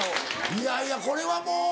いやいやこれはもう。